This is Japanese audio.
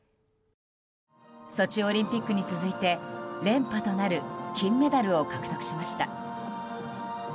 ソチオリンピックに続いて連覇となる金メダルを獲得しました。